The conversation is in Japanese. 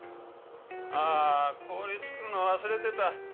あ氷作るの忘れてた。